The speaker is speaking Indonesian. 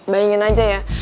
bayangin aja ya